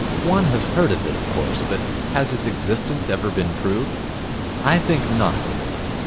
One has heard of it, of course, but has its existence ever been proved? I think not.